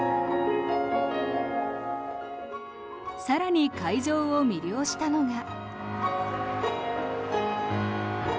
更に、会場を魅了したのが。